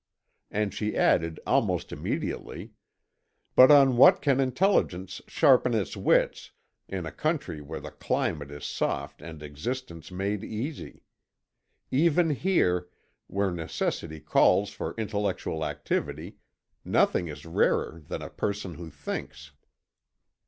And she added almost immediately: "But on what can intelligence sharpen its wits, in a country where the climate is soft and existence made easy? Even here, where necessity calls for intellectual activity, nothing is rarer than a person who thinks."